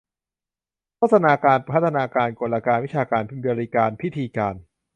โฆษณาการ พัฒนาการ กลการ วิชาการ บริการ พิธีการ